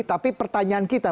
tapi pertanyaan kita